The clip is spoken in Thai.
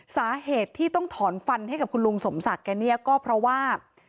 สาเหตุที่ต้องถอนฟันให้กับคุณลุงสมศักดิ์แกเนี่ยก็เพราะว่า